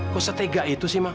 kau setega itu sih ma